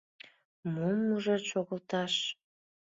Мом мужед шогылташ?